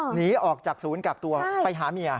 หนีออกจากศูนย์กักตัวไปหาเมีย